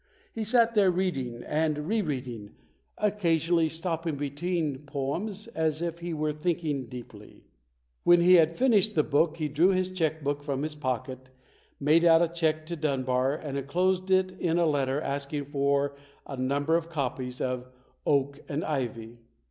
He sat there reading and re reading, occasionally stopping between poems as if he were thinking deeply. When he had finished the book he drew his check book from his pocket, made out a check to Dunbar and enclosed it in a letter asking for a number of copies of "Oak and Ivy".